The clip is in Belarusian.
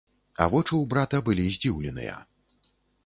А вочы ў брата былі здзіўленыя.